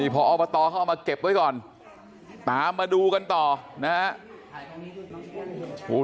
พออบตเขาเอามาเก็บไว้ก่อนตามมาดูกันต่อนะครับ